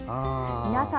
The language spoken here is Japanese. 皆さん